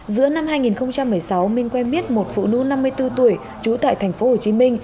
giữa năm hai nghìn một mươi sáu minh quen biết một phụ nữ năm mươi bốn tuổi chú tại tp hcm